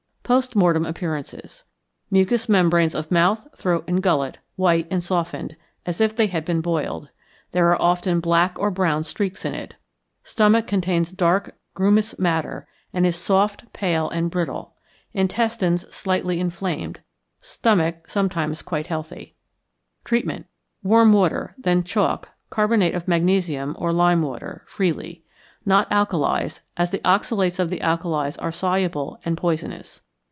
Post Mortem Appearances. Mucous membrane of mouth, throat, and gullet, white and softened, as if they had been boiled; there are often black or brown streaks in it. Stomach contains dark, grumous matter, and is soft, pale, and brittle. Intestines slightly inflamed, stomach sometimes quite healthy. Treatment. Warm water, then chalk, carbonate of magnesium, or lime water, freely. Not alkalies, as the oxalates of the alkalies are soluble and poisonous.